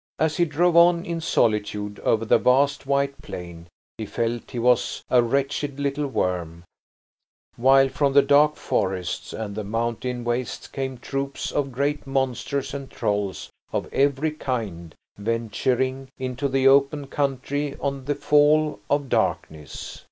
As he drove on in solitude over the vast white plain, he felt he was a wretched little worm, while from the dark forests and the mountain wastes came troops of great monsters and trolls of every kind venturing into the open country on the fall of darkness.